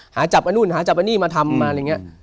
หาจับไอ้นู่นหาจับอันนี้มาทำมาอะไรอย่างนี้